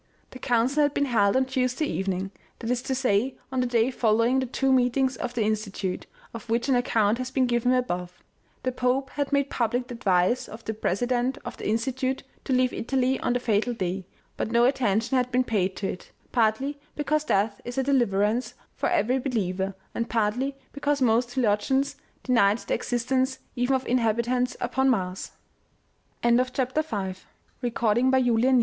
The council had been held on Tuesday evening, that is to say on the day following the two meetings of the Insti tute, of which an account has been given above. The Pope had made public the advice of the president of the Institute to leave Italy on the fatal day, but no attention had been paid to it, partly because death is a deliverance for every believer, and partly because most theologians denied the existence even of inhabitants upon Mars.